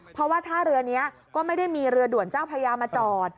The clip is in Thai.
เพราะว่าท่าเรือนี้ก็ไม่ได้มีเรือด่วนเจ้าพญามาจอด